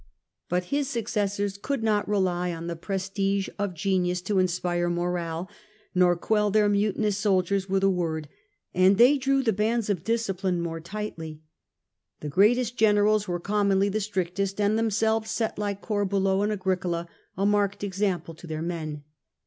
But his successors could not rely on the prestige of genius to inspire morale^ nor quell their mutinous soldiers with a word, and they drew the bands of discipline more tightly. The greatest generals were commonly the strictest, and themselves set, like Corbulo and Agricola, a marked example to their men.